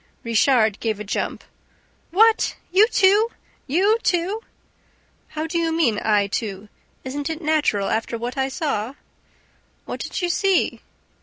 Richard gave a jump. "What, you too! You too!" "How do you mean, I too? Isn't it natural, after what I saw?" "What did you see?"